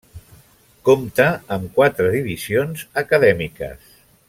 Compta amb quatre divisions acadèmiques: